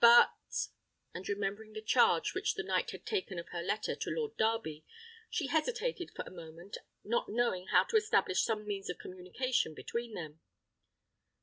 But " and remembering the charge which the knight had taken of her letter to Lord Darby, she hesitated for a moment, not knowing how to establish some means of communication between them.